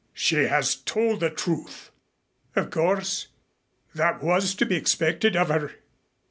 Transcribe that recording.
"She has told the truth." "Of course, that was to be expected of her."